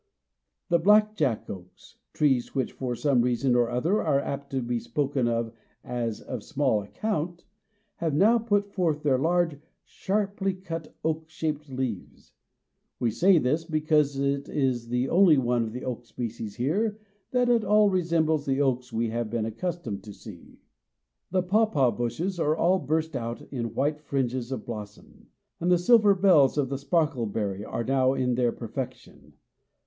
The black jack oaks trees which, for some reason or other, are apt to be spoken of as of small account have now put forth their large, sharply cut, oak shaped leaves. We say this because it is the only one of the oak species here that at all resembles the oaks we have been accustomed to see. The pawpaw bushes are all burst out in white fringes of blossom; and the silver bells of the sparkle berry are now in their perfection.